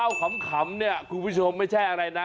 เอาขำเนี่ยคุณผู้ชมไม่ใช่อะไรนะ